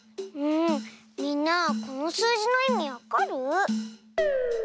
みんなこのすうじのいみわかる？